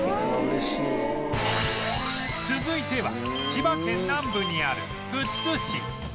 続いては千葉県南部にある富津市